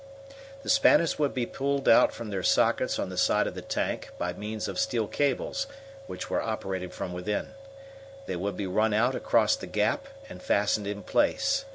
The spanners would be pulled out from their sockets on the side of the tank by means of steel cables, which were operated from within. They would be run out across the gap and fastened in place.